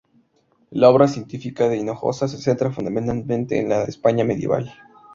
La obra científica de Hinojosa se centra fundamentalmente en la España medieval.